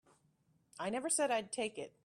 I never said I'd take it.